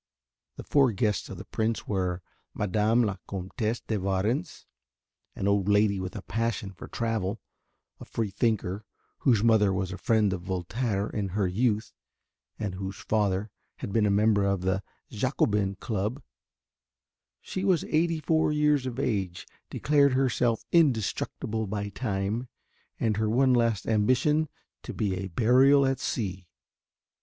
The four guests of the Prince were: Madame la Comtesse de Warens, an old lady with a passion for travel, a free thinker, whose mother was a friend of Voltaire in her youth and whose father had been a member of the Jacobin club; she was eighty four years of age, declared herself indestructible by time, and her one last ambition to be a burial at sea.